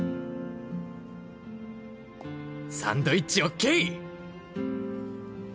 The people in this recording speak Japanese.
「サンドイッチＯＫ！」